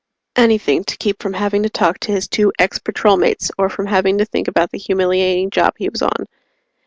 Anything to keep from having to talk to his two ex Patrolmates or from having to think about the humiliating job he was on.